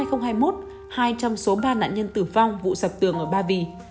hai trong số ba nạn nhân tử vong vụ sập tường ở ba vì